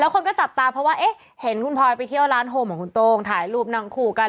คนก็จับตาเพราะว่าเอ๊ะเห็นคุณพลอยไปเที่ยวร้านโฮมของคุณโต้งถ่ายรูปนั่งคู่กัน